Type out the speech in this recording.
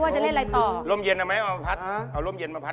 ทำไมคิดว่าจะเล่นอะไรต่อ